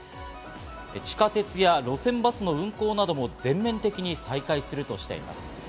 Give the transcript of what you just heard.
地下鉄や路線バスの運行なども全面的に再開するとしています。